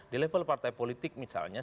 di level partai politik misalnya